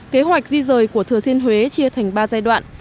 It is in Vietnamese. kế hoạch di rời của thừa thiên huế chia thành ba giai đoạn